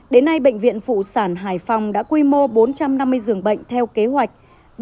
đến nay bệnh viện phụ sản hải phòng đã quy mô bốn trăm năm mươi giường bệnh theo kế hoạch